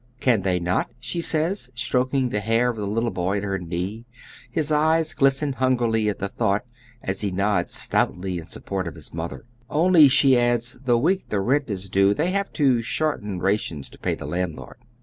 Can they not ? she says, stroking the hair of the little boy, at her knee ; oy Google ]46 HOW THK OTHEK HALF LIVES. his eyes glisten hungrily at the thought, as he nods stout ly in support o£ his mother. Only, she adds, the week the rent is due, they have to shorten rations to pay the landlord.